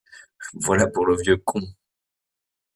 Voilà pour le vieux con.